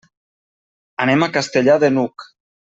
Anem a Castellar de n'Hug.